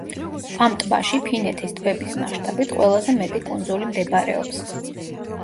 ამ ტბაში ფინეთის ტბების მასშტაბით ყველაზე მეტი კუნძული მდებარეობს.